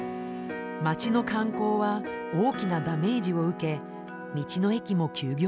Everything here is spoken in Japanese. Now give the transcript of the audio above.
町の観光は大きなダメージを受け道の駅も休業しました。